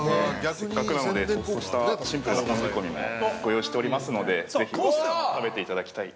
◆せっかくなので、トーストしたシンプルな本仕込もご用意しておりますので、ぜひこちらも食べていただきたい。